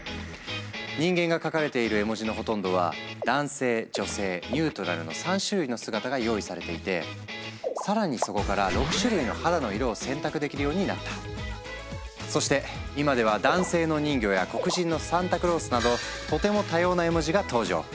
人間が描かれている絵文字のほとんどは男性・女性・ニュートラルの３種類の姿が用意されていて更にそこからそして今では男性の人魚や黒人のサンタクロースなどとても多様な絵文字が登場。